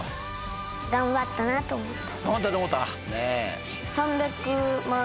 頑張ったと思った？